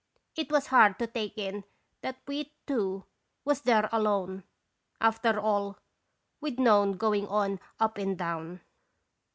It was hard to take in that we two was there alone, after all we 'd known go ing on up and down.